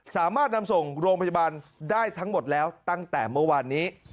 สามารถนำส่งโรงพยาบาลได้ทั้งหมดแล้วตั้งแต่เมื่อวานนี้